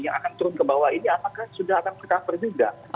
yang akan turun ke bawah ini apakah sudah akan tercover juga